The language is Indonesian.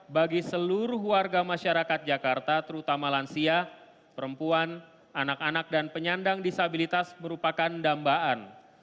bagi seluruh warga masyarakat jakarta terutama lansia perempuan anak anak dan penyandang disabilitas merupakan dambaan